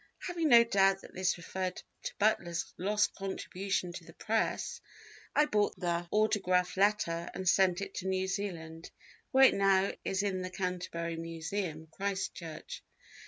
Having no doubt that this referred to Butler's lost contribution to the Press, I bought the autograph letter and sent it to New Zealand, where it now is in the Canterbury Museum, Christchurch.